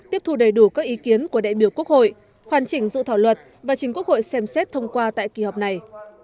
tiếp thu đầy đủ các ý kiến của đại biểu quốc hội hoàn chỉnh dự thảo luật và chính quốc hội xem xét thông qua tại kỳ họp này